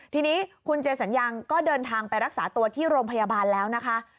ทีนี้คุณเจสัญญังก็เดินทางไปรักษาตัวที่โรงพยาบาลแล้วนะคะ